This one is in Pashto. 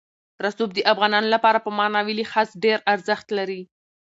رسوب د افغانانو لپاره په معنوي لحاظ ډېر ارزښت لري.